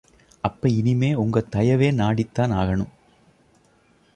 அப்ப இனிமே ஒங்க தயவே நாடித்தான் ஆகணும்.